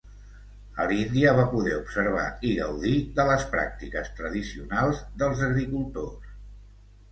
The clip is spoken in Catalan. A l'Índia va poder observar i gaudir de les pràctiques tradicionals dels agricultors.